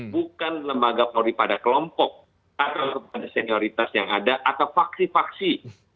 bukan lembaga polri pada kelompok atau kepada senioritas yang ada atau faksi faksi